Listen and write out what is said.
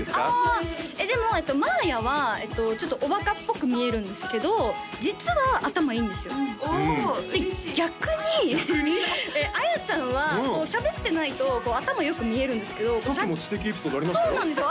あでもまあやはちょっとおバカっぽく見えるんですけど実は頭いいんですよお嬉しいで逆に綾ちゃんはしゃべってないと頭良く見えるんですけどさっきも知的エピソードありましたよそうなんですよ